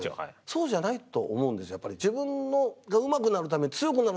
そうじゃないと思うんですよ